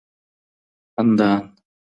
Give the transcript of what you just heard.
خندان